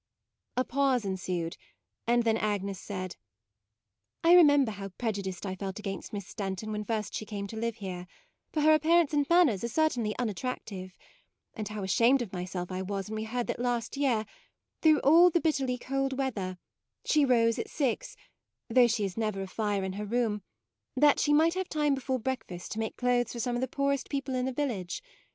A pause ensued; and then Agnes said, " I remember how prejudiced I felt against Miss Stanton when first she came to live here, for her appear ance and manners are certainly unat tractive : and how ashamed of myself I was when we heard that last year, through all the bitterly cold weather, she rose at six, though she never has 36 MAUDE a fire in her room, that she might have time before breakfast to make clothes for some of the poorest peo ple in the village.